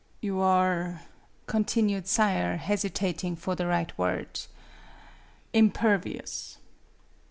"You are," continued Sayre, hesitating for the right word" impervious."